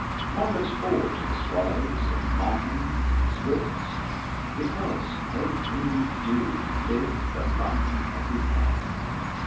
One looks forward to the swallows and martins and swifts because they really do live the life of the air.